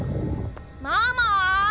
ママ。